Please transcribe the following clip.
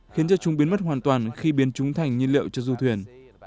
khiến cho chúng biến mất hoàn toàn khi biến chúng thành nhiên liệu cho du thuyền